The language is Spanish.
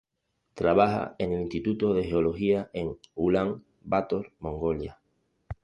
Trabaja en el "Instituto de Geología", en Ulan Bator, Mongolia.